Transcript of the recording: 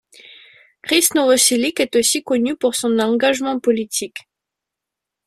Krist Novoselic est aussi connu pour son engagement politique.